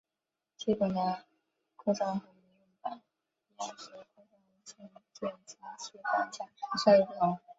基本的构造和民用版一样只有后方无线电机置放架稍有不同。